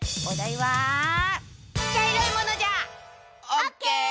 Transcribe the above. オッケー！